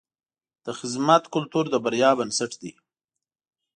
د خدمت کلتور د بریا بنسټ دی.